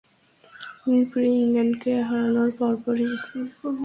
মিরপুরে ইংল্যান্ডকে হারানোর পরপরই বিভিন্ন স্তরের মানুষ ছুটছে খুলনার খালিশপুরের একটি বাড়িতে।